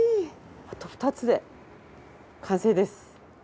あと２つで完成です。